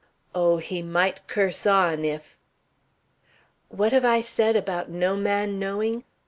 Oh! he might curse on if "What have I said about no man knowing?